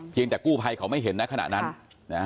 เพียงแต่กูภัยเขาไม่เห็นนะขนาดนั้น